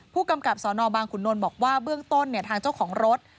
ผู้กำกับสนบางขุนนลบอกว่าเบื้องต้นทางเจ้าของรถ